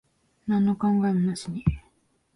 なんの考えもなしに。